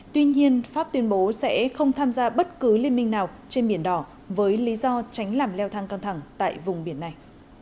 tuy nhiên pháp tuyên bố sẽ không tham gia bất cứ liên minh nào trên biển đỏ với lý do tránh làm leo thang căng thẳng tại vùng biển này